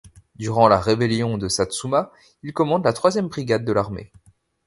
Durant la rébellion de Satsuma, il commande la troisième brigade de l'armée.